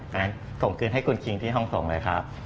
งั้นส่งคืนให้คุณคิงที่ห้องส่งเลยครับ